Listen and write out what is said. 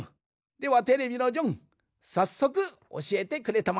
ではテレビのジョンさっそくおしえてくれたまえ。